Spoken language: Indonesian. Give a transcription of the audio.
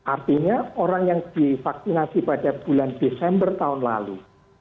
artinya orang yang divaksinasi pada bulan desember tahun lalu